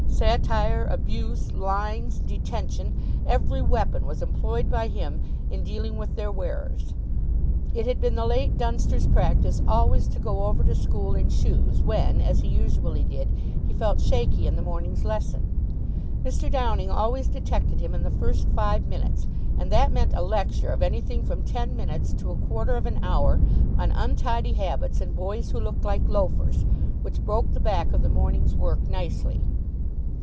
Satire, abuse, lines, detention every weapon was employed by him in dealing with their wearers. It had been the late Dunster's practice always to go over to school in shoes when, as he usually did, he felt shaky in the morning's lesson. Mr. Downing always detected him in the first five minutes, and that meant a lecture of anything from ten minutes to a quarter of an hour on Untidy Habits and Boys Who Looked like Loafers which broke the back of the morning's work nicely.